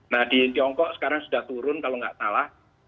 nah di tiongkok sekarang sudah turun kalau nggak salah